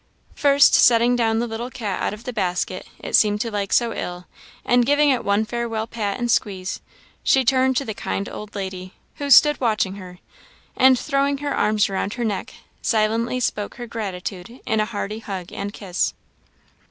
First setting down the little cat out of the basket it seemed to like so ill, and giving it one farewell pat and squeeze, she turned to the kind old lady, who stood watching her, and throwing her arms around her neck, silently spoke her gratitude in a hearty hug and kiss.